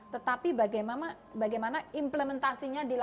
tetapi bagaimana implementasinya di data